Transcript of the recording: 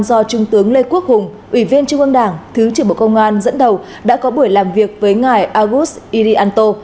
do trung tướng lê quốc hùng ủy viên trung ương đảng thứ trưởng bộ công an dẫn đầu đã có buổi làm việc với ngài avus irianto